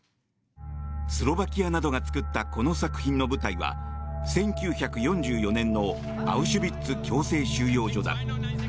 スロバキアなどが作ったこの作品の舞台は１９４４年のアウシュビッツ強制収容所だ。